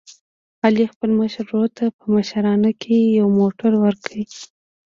علي خپل مشر ورور ته په مشرانه کې یو موټر ور کړ.